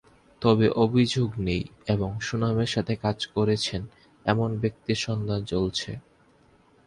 তবে অভিযোগ নেই এবং সুনামের সঙ্গে কাজ করছেন এমন ব্যক্তির সন্ধান চলছে।